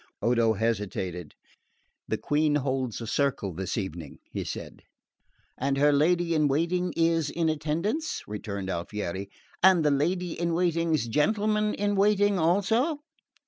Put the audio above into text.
Odo hesitated. "The Queen holds a circle this evening," he said. "And her lady in waiting is in attendance?" returned Alfieri. "And the lady in waiting's gentleman in waiting also?"